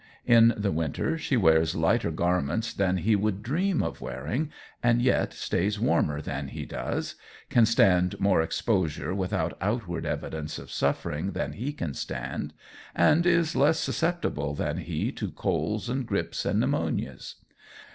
In the winter she wears lighter garments than he would dream of wearing, and yet stays warmer than he does, can stand more exposure without outward evidence of suffering than he can stand, and is less susceptible than he to colds and grips and pneumonias.